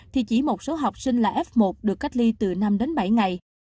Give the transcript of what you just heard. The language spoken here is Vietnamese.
thì chỉ một số học sinh là f một được cách ly từ năm đến bảy ngày